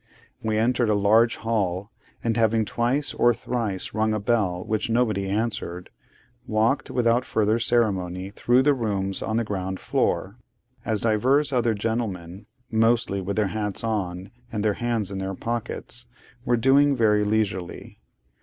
We entered a large hall, and having twice or thrice rung a bell which nobody answered, walked without further ceremony through the rooms on the ground floor, as divers other gentlemen (mostly with their hats on, and their hands in their pockets) were doing very leisurely.